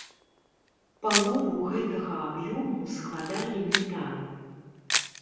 Палову гэтага аб'ёму складае метан.